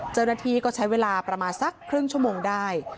เจ้าหน้าที่ก็ใช้เวลาประมาณสักครึ่งชั่วโมงได้